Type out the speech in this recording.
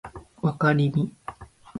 わかりみ